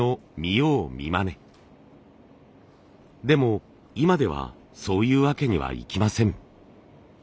でも今ではそういうわけにはいきません。